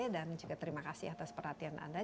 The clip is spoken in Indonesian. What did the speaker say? juga terima kasih atas perhatian anda